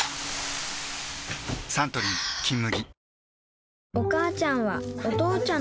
サントリー「金麦」